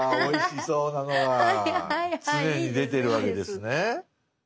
常に出てるわけですね。